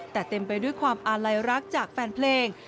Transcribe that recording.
แต่เต็มไปด้วยความอาลัยรักจากแฟนเพลง